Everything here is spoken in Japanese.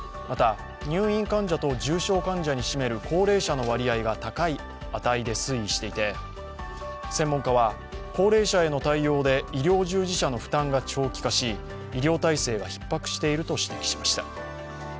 また、入院患者と重症患者に占める高齢者の割合が高い値で推移していて、専門家は、高齢者への対応で医療従事者の負担が長期化し医療体制がひっ迫していると指摘しました。